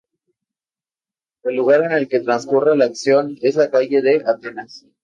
El lugar en el que transcurre la acción es una calle de Atenas.